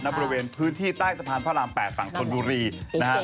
บริเวณพื้นที่ใต้สะพานพระราม๘ฝั่งธนบุรีนะครับ